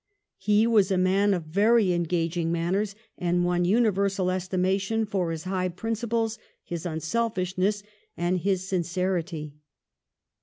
He was a man of very engaging manners, and won universal estimation for his high principles, his unselfishness, and his sincerity.